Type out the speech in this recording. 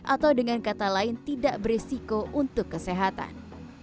atau dengan kata lain tidak beresiko untuk kesehatan